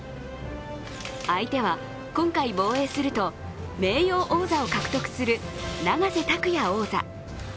相手は今回防衛すると名誉王座を獲得する永瀬拓矢王座。